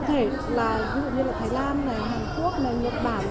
cụ thể là ví dụ như là thái lan này hàn quốc này nhật bản này